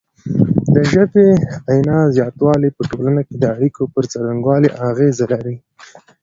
د ژبې د غنا زیاتوالی په ټولنه کې د اړیکو پر څرنګوالي اغیزه لري.